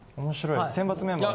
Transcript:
選抜メンバー。